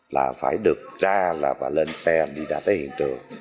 là phải được ra là và lên xe đi ra tới hiện trường